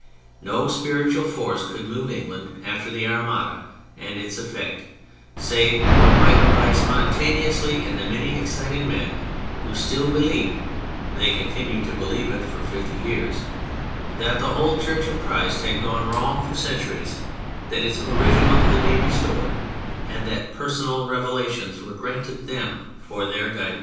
No spiritual force could move England after the Armada and its effect, save what might arise spontaneously in the many excited men who still believed (they continued to believe it for fifty years) that the whole Church of Christ had gone wrong for centuries; that its original could be restored and that personal revelations were granted them for their guidance.